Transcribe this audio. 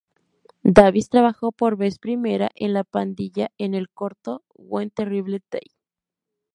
Davis trabajó por vez primera en La Pandilla en el corto "One Terrible Day".